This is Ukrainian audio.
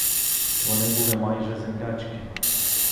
Вони були майже землячки.